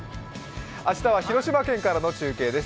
明日は広島県からの中継です。